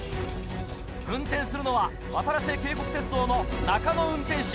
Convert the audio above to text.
運転するのはわたらせ渓谷鐵道の中野運転士。